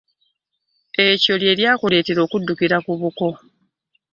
Ekyo lye kyakuleetera okuddukira ku buko?